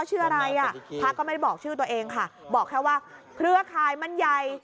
ชื่ออะไรอ่ะพระก็ไม่ได้บอกชื่อตัวเองค่ะบอกแค่ว่าเครือข่ายมันใหญ่